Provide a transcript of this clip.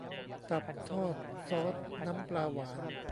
ตับทอดซอสน้ำปลาหวาน